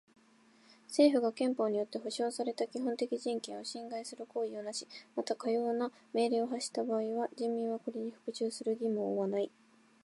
政府が憲法によって保障された基本的人権を侵害する行為をなし、またかような命令を発した場合は人民はこれに服従する義務を負わない。